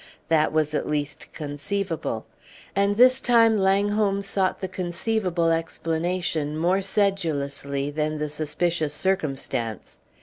That was at least conceivable. And this time Langholm sought the conceivable explanation more sedulously than the suspicious circumstance.